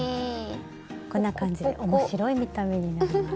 こんな感じで面白い見た目になります。